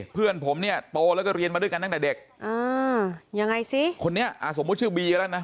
เพื่อนผมเนี่ยโตแล้วก็เรียนมาด้วยกันตั้งแต่เด็กอ่ายังไงสิคนนี้อ่าสมมุติชื่อบีก็แล้วนะ